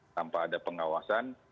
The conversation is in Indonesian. tanpa ada pengawasan